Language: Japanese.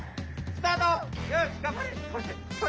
スタート！